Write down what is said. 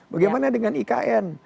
bagaimana dengan ikn